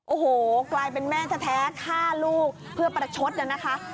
โอ้โหกลายเป็นแม่แท้ฆ่าลูกเพื่อประชดน่ะนะคะ